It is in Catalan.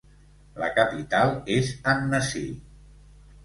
La capital és Annecy.